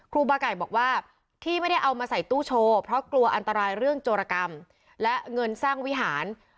ครูบาไก่บอกว่าที่ไม่ได้เอามาใส่ตู้โชว์เพราะกลัวอันตรายเรื่องโจรกรรมและเงินสร้างวิหาร